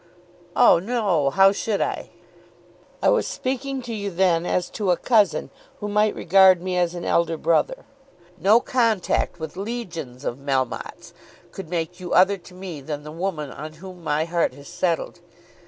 "Oh no; how should I?" "I was speaking to you then as to a cousin who might regard me as an elder brother. No contact with legions of Melmottes could make you other to me than the woman on whom my heart has settled.